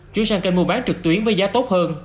chuyển sang kênh mua bán trực tuyến với giá tốt hơn